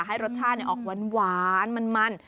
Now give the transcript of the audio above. ให้รสชาตินี้ออกหวาน